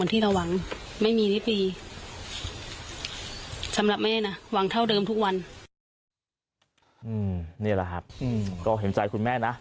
นี่แหละครับก็เห็นใจคุณแม่นะ